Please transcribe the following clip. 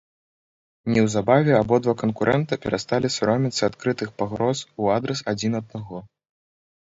Неўзабаве абодва канкурэнта перасталі саромецца адкрытых пагроз у адрас адзін аднаго.